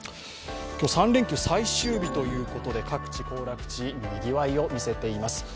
３連休最終日ということで各地行楽地にぎわいを見せています。